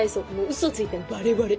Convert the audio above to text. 嘘ついてんのバレバレ。